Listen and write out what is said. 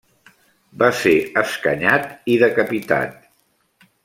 Va ser escanyat i decapitat.